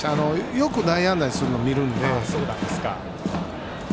よく内野安打にするのを見るので。